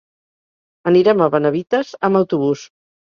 Anirem a Benavites amb autobús.